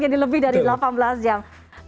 jadi lebih dari delapan belas jam